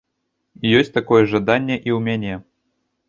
Ёсць такое жаданне і ў мяне.